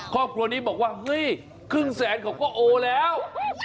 ครอบครัวนี้บอกว่าเฮ้ยครึ่งแสนเขาก็โอแล้ว